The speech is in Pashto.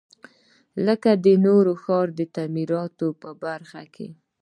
لکه د نوي ښار د تعمیراتو په برخو کې.